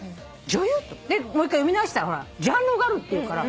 でもう一回読み直したらジャンルがあるっていうから。